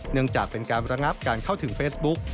เนื่องจากเป็นการระงับการเข้าถึงเฟซบุ๊ก